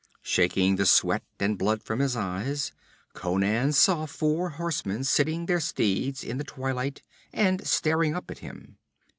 Shaking the sweat and blood from his eyes, Conan saw four horsemen sitting their steeds in the twilight and staring up at him.